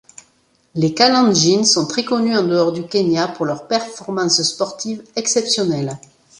Les Kalendjins sont très connus en dehors du Kenya pour leurs performances sportives exceptionnelles.